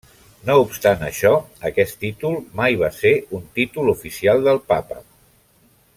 No obstant això, aquest títol mai va ser un títol oficial del papa.